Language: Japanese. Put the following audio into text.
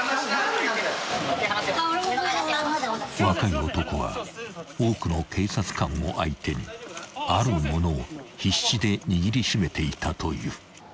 ［若い男は多くの警察官を相手にある物を必死で握り締めていたという］